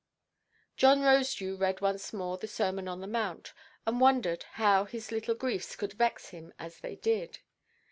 John Rosedew read once more the Sermon on the Mount, and wondered how his little griefs could vex him as they did.